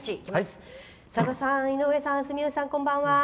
「さださん、井上さん住吉さん、こんばんは。